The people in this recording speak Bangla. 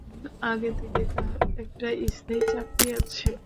আগে থেকেই তার একটা স্থায়ী চাকরি আছে।